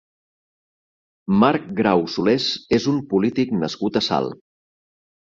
Marc Grau Solés és un polític nascut a Salt.